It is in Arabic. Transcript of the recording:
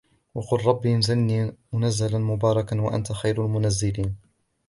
وقل رب أنزلني منزلا مباركا وأنت خير المنزلين